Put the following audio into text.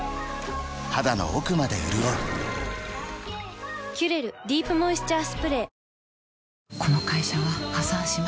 肌の奥まで潤う「キュレルディープモイスチャースプレー」